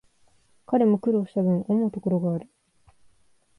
彼も苦労したぶん、思うところがある